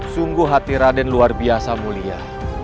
sungguh hati raden luar biasa mulia